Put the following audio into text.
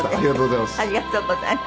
ありがとうございます。